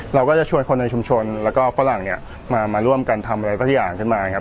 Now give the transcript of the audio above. เราก็จะชวนคนในชุมชนและก็ฝรั่งมาร่วมกันทำอะไรก็อย่างขึ้นมา